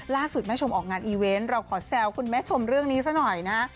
ล่าสุดแม่ชมออกงานอีเวนต์เราขอแซวคุณแม่ชมเรื่องนี้ซะหน่อยนะ